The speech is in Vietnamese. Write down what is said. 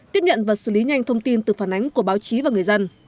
tiếp nhận và xử lý nhanh thông tin từ phản ánh của báo chí và người dân